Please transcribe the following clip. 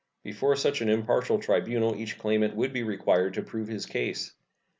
Before such an impartial tribunal each claimant would be required to prove his case.